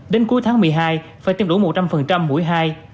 đến cuối tháng một mươi hai phải tiêm đủ một trăm linh mũi hai